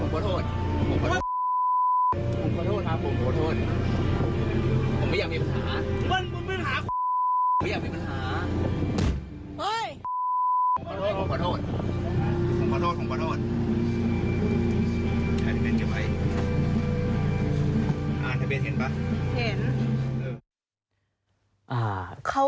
ขอโทษผมไม่ได้อะไร